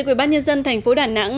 chủ tịch ubnd tp đà nẵng